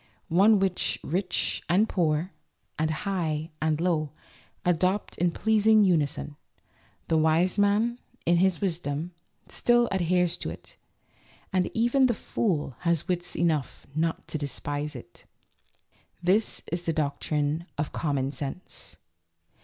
One which rich and poor, and high and low, adopt in pleasing unison ; the wise man, in his wisdom, still adheres to it, and even the fool has wits enough not to despise it. This is the doctrine of " common sense."